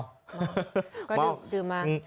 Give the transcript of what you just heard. ว้าว